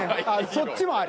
そっちもあり。